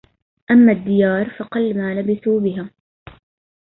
أما الديار فقلمالبثوا بها